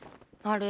あ！